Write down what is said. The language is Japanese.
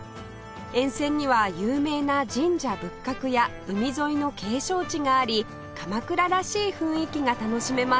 沿線には有名な神社仏閣や海沿いの景勝地があり鎌倉らしい雰囲気が楽しめます